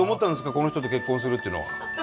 この人と結婚するっていうのは。